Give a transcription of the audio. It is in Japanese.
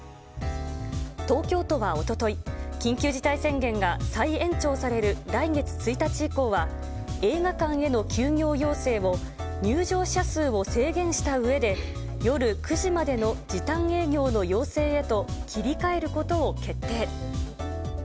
東京都はおととい、緊急事態宣言が再延長される来月１日以降は、映画館への休業要請を入場者数を制限したうえで、夜９時までの時短営業の要請へと切り替えることを決定。